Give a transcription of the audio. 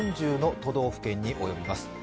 ４０の都道府県に及びます。